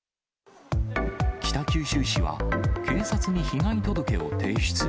北九州市は、警察に被害届を提出。